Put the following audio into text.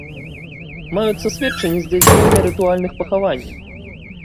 Маюцца сведчанні здзяйснення рытуальных пахаванняў.